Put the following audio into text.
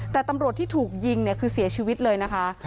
แต่ตำรวจที่ถูกยิงเนี่ยคือเสียชีวิตเลยนะคะ